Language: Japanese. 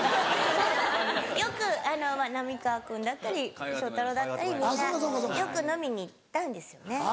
よく浪川君だったり祥太郎だったりみんなよく飲みに行ったんですよね。